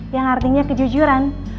yang artinya kejujuran